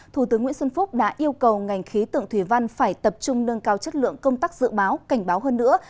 thủ tướng nguyễn xuân phúc đã yêu cầu ngành khí tượng thủy văn phải tập trung nâng cao chất lượng công tác dự báo cảnh báo hơn nữa